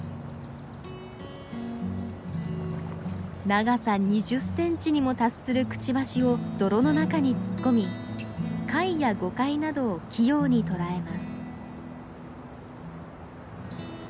長さ２０センチにも達するくちばしを泥の中に突っ込み貝やゴカイなどを器用に捕らえます。